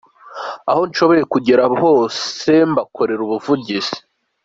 Abo nshoboye kugeraho bose mbakorera ubuvugizi.